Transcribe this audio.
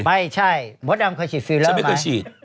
ไม่ใช่พศดำเคยฉีดฟิลเลอร์ไหม